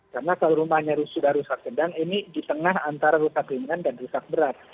karena kalau rumahnya sudah rusak sedang ini di tengah antara rusak ringan dan rusak berat